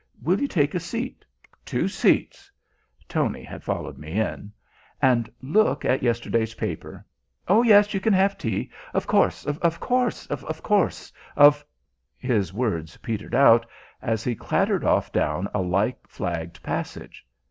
Will you take a seat two seats." (Tony had followed me in). "And look at yesterday's paper. Oh yes, you can have tea of course, of course, of course. Of " His words petered out, as he clattered off down a like flagged passage.